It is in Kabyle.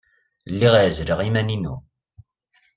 Lliɣ ɛezzleɣ iman-inu.